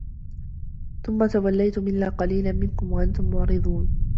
ثُمَّ تَوَلَّيْتُمْ إِلَّا قَلِيلًا مِنْكُمْ وَأَنْتُمْ مُعْرِضُونَ